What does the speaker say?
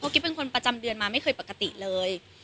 กิ๊บเป็นคนประจำเดือนมาไม่เคยปกติเลย